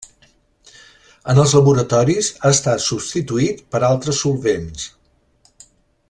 En els laboratoris ha estat substituït per altres solvents.